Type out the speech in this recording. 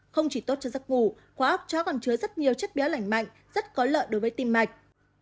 không chỉ tốt cho giấc ngủ quả ốc chó còn chứa rất nhiều chất béo lảnh mạnh rất có lợi đối với tim mạch